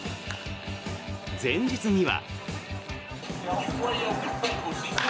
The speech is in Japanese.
前日には。